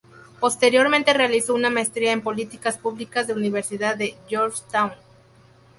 Posteriormente realizó una maestría en Políticas Públicas de Universidad de Georgetown.